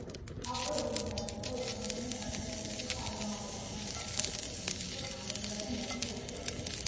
ავტორის მიზანი იყო ეჩვენებინა ბაგრატიონთა წარმომავლობა, მათი საქართველოში მოსვლა, გამეფება და მეფეთა ისტორია.